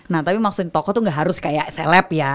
nah tapi maksudnya tokoh tuh gak harus kayak seleb ya